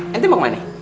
nanti mau main nih